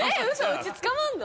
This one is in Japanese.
うち捕まんの？